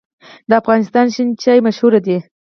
د افغانستان شین چای مشهور دی